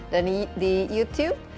dan di youtube